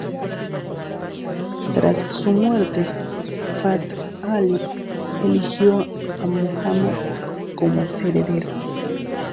Tras su muerte, Fat′h-Ali eligió a Muhammad como heredero.